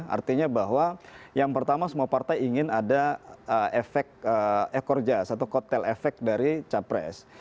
artinya bahwa yang pertama semua partai ingin ada efek ekor jas atau kotel efek dari capres